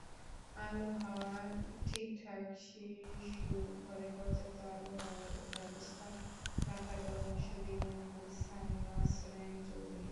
আলো-হাওয়া ঠিকঠাকশিশুর ঘরে পর্যাপ্ত আলো-হাওয়ার ব্যবস্থা রাখার পরামর্শ দিলেন গুলসান নাসরীন চৌধুরী।